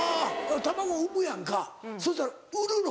卵産むやんかそしたら売るの？